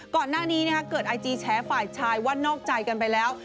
ก่อนหน้านี้เกิดไอจีแฉฝ่ายชายว่านอกใจกันไปแล้ว